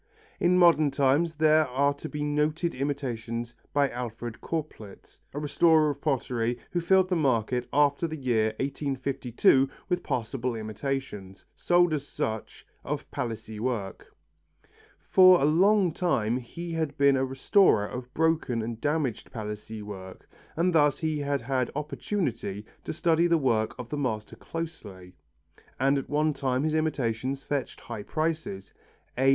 In modern times there are to be noted imitations by Alfred Corplet, a restorer of pottery who filled the market after the year 1852 with passable imitations, sold as such, of Palissy work. For a long time he had been a restorer of broken and damaged Palissy work and thus he had had opportunity to study the work of the master closely, and at one time his imitations fetched high prices. A.